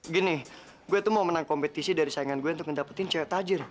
gini gue tuh mau menang kompetisi dari saingan gue untuk dapetin cewek tajir